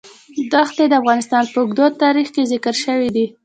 دښتې د افغانستان په اوږده تاریخ کې ذکر شوی دی.